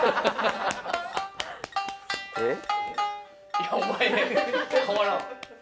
いやお前変わらん。